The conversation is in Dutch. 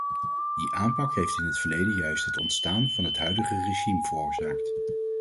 Die aanpak heeft in het verleden juist het ontstaan van het huidige regime veroorzaakt.